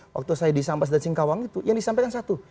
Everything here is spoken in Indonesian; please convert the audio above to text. waktu saya disambas dan singkawang itu yang disampaikan satu